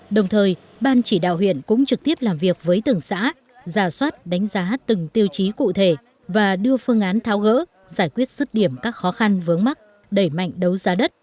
đồng thời ban chỉ đạo huyện cũng trực tiếp làm việc với từng xã giả soát đánh giá từng tiêu chí cụ thể và đưa phương án tháo gỡ giải quyết sức điểm các khó khăn vướng mắt đẩy mạnh đấu giá đất